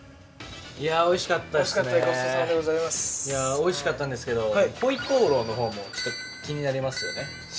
おいしかったんですけど、回鍋肉の方も気になりますよね。